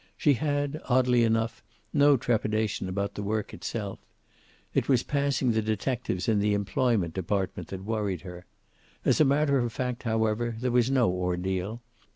She had, oddly enough, no trepidation about the work itself. It was passing the detectives in the employment department that worried her. As a matter of fact, however, there was no ordeal.